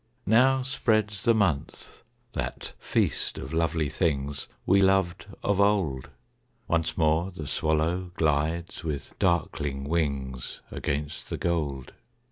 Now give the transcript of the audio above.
Now spreads the month that feast of lovely things We loved of old. Once more the swallow glides with darkling wings Against the gold.